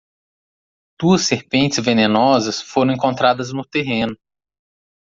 Duas serpentes venenosas foram encontradas no terreno